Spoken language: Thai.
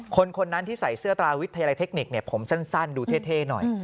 คนนั้นที่ใส่เสื้อตราวิทยาลัยเทคนิคผมสั้นดูเท่หน่อย